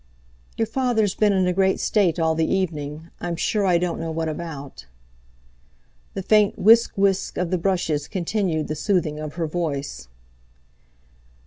"Your father's been in a great state all the evening. I'm sure I don't know what about." The faint "whisk whisk" of the brushes continued the soothing of her voice.